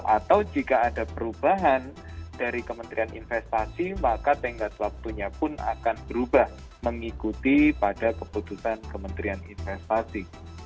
atau jika ada perubahan dari kementerian investasi maka tenggat waktunya pun akan berubah mengikuti pada keputusan kementerian investasi